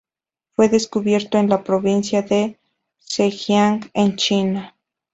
Fue descubierto en la provincia de Zhejiang, en China.